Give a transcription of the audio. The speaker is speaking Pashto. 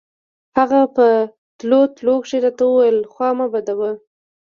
هغه په تلو تلو کښې راته وويل خوا مه بدوه.